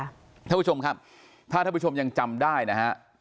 ท่านผู้ชมครับถ้าท่านผู้ชมยังจำได้นะฮะ